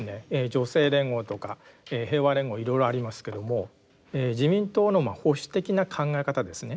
女性連合とか平和連合いろいろありますけども自民党の保守的な考え方ですね